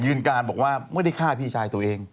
การบอกว่าไม่ได้ฆ่าพี่ชายตัวเอง